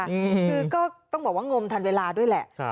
คือก็ต้องบอกว่างมทันเวลาด้วยแหละ